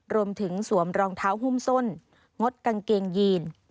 สวมรองเท้าหุ้มส้นงดกางเกงยีน